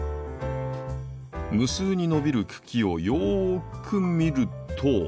無数に伸びる茎をよく見ると。